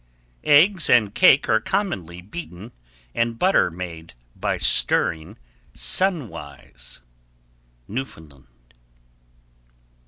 _ 1143. Eggs and cake are commonly beaten and butter made by stirring sunwise. _Newfoundland.